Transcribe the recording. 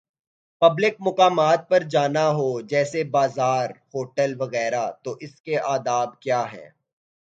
Public مقامات پر جانا ہو، جیسے بازار" ہوٹل وغیرہ تو اس کے آداب کیا ہیں۔